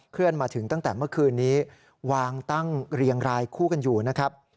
มาถึงตั้งแต่เมื่อคืนนี้วางตั้งเรียงรายคู่กันอยู่นะครับ